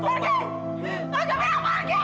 aku gak mau pergi